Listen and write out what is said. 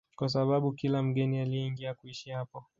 kwa sababu kila mgeni alieingia kuishi hapo